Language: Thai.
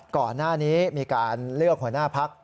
ก่อนหน้านี้มีการเลือกหัวหน้าพัก